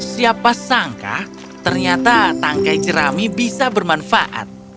siapa sangka ternyata tangkai jerami bisa bermanfaat